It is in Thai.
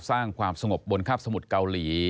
สร้างความสงบบนคาบสมุทรเกาหลี